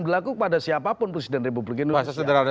berlaku pada siapapun presiden republik indonesia